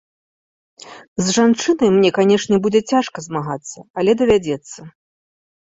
З жанчынай мне, канешне, будзе цяжка змагацца, але давядзецца.